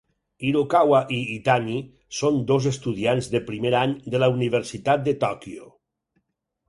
Hirokawa i Itani són dos estudiants de primer any de la Universitat de Tòquio.